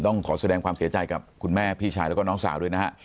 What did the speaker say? ต้องขอแสดงความเสียใจกับคุณแม่พี่ชายแล้วก็น้องสาวด้วยนะฮะ